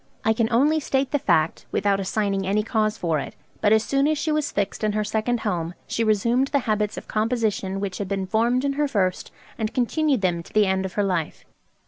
I can only state the fact, without assigning any cause for it; but as soon as she was fixed in her second home, she resumed the habits of composition which had been formed in her first, and continued them to the end of her life.